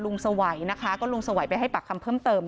ลุงสวัยลุงสวัยไปให้ปากคำเพิ่มเติม